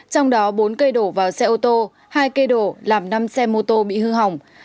trong đó bốn cây đổ vào xe ô tô hai cây đổ làm năm xe mô tô bị hư hỏng